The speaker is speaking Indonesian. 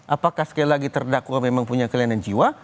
apakah sekali lagi terdakwa memang punya kelainan jiwa